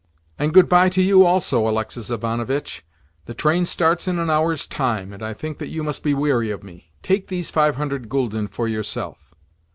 "And good bye to you, also, Alexis Ivanovitch. The train starts in an hour's time, and I think that you must be weary of me. Take these five hundred gülden for yourself."